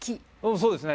そうですね。